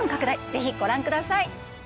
ぜひご覧ください。